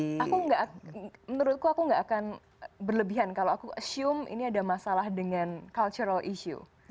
aku nggak menurutku aku gak akan berlebihan kalau aku assume ini ada masalah dengan cultural issue